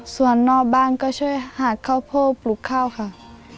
ส่วนนอกบ้านก็ช่วยหาดข้าวโพดปลูกข้าวค่ะ